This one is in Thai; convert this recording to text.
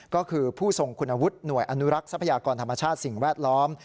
ก็คือผู้ทรงคุณวุฒิหน่วยอนุรักษ์ทรัพยากรธรรมชาติสิ่งแวดล้อม